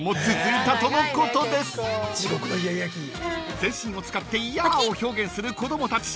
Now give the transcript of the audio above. ［全身を使ってイヤを表現する子供たち］